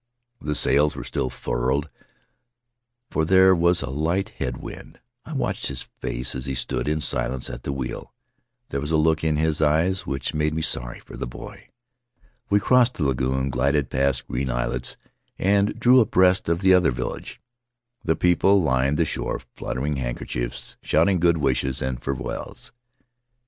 The sails were still furled, for there was a light head wind. I watched his face as he stood in silence at the wheel; there was a look in his eyes which made me sorry for the boy. We crossed the lagoon, glided past green islets, and drew abreast of the other village. The people lined the shore, fluttering handkerchiefs, shouting good wishes and farewells.